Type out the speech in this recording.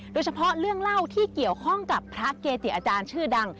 โดยเฉพาะเรื่องเล่าที่เกี่ยวข้องกับพระเกจิอาจารย์ชื่อดัง